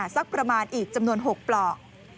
สักประมาณอีกจำนวน๖ปลอก